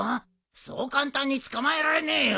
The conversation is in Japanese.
そう簡単に捕まえられねえよ。